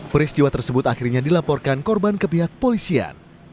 peristiwa tersebut akhirnya dilaporkan korban ke pihak polisian